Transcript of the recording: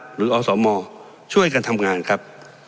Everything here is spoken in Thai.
อสมช่วยกันทำงานครับ